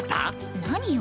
何よ？